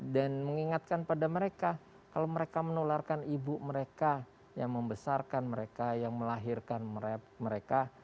dan mengingatkan pada mereka kalau mereka menularkan ibu mereka yang membesarkan mereka yang melahirkan mereka